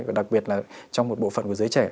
và đặc biệt là trong một bộ phận của giới trẻ